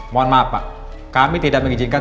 mohon maaf pak kami tidak mengizinkan